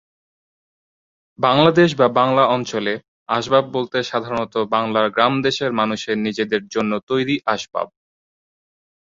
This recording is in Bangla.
বাংলাদেশ বা বাংলা অঞ্চলে আসবাব বলতে সাধারণত বাংলার গ্রাম দেশের মানুষের নিজেদের জন্য তৈরি আসবাব।